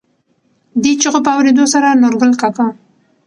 دې چېغو په اورېدو سره نورګل کاکا.